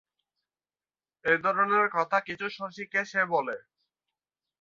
এই ধরনের কথা কিছু শশীকে সে বলে।